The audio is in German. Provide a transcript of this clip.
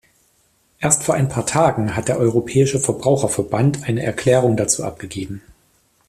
Erst vor ein paar Tagen hat der Europäische Verbraucherverband eine Erklärung dazu abgegeben.